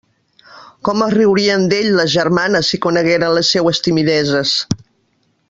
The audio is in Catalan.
Com es riurien d'ell les germanes si conegueren les seues timideses!